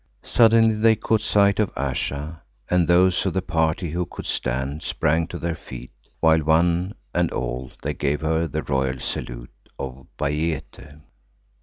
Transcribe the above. Suddenly they caught sight of Ayesha, and those of the party who could stand sprang to their feet, while one and all they gave her the royal salute of Bayéte.